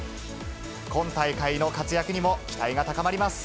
今大会の活躍にも期待が高まります。